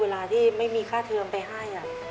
เวลาที่ไม่มีค่าเทอมไปให้